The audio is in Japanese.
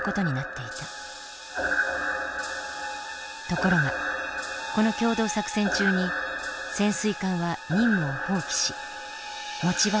ところがこの協同作戦中に潜水艦は任務を放棄し持ち場を離れていた。